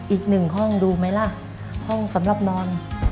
อีกหนึ่งห้องดูไหมล่ะห้องสำหรับนอน